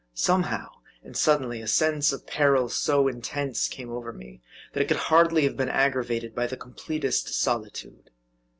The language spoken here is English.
Somehow, and suddenly, a sense of peril so in tense, came over me, that it could hardly have been aggra vated by the completest solitude.